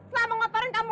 selama mengotorin kamu